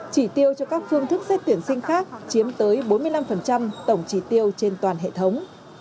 chỉ tiêu cho các phương thức xét tuyển sinh khác chiếm tới bốn mươi năm tổng trí tiêu trên toàn hệ thống